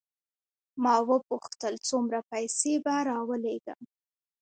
ما وپوښتل څومره پیسې به راولېږم.